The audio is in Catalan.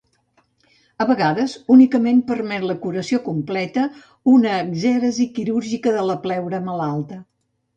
A vegades, únicament permet la curació completa una exèresi quirúrgica de la pleura malalta.